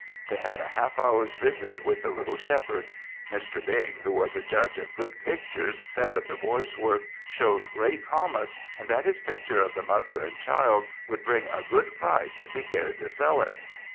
They had a half hour's visit with the little Shepherd. Mr. Bing, who was a judge of good pictures, said that the boy's work showed great promise and that his picture of the mother and child would bring a good price if he cared to sell it.